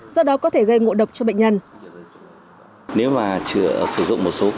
do đó có thể gây ngộ độc cho bệnh nhân